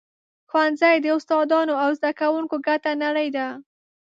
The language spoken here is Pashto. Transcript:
ښوونځی د استادانو او زده کوونکو ګډه نړۍ ده.